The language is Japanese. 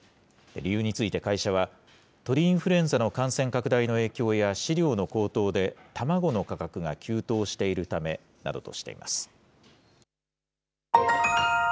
理由について会社は、鳥インフルエンザの感染拡大の影響や、飼料の高騰で、卵の価格が急騰しているためなどとしています。